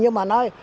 nhưng mà nói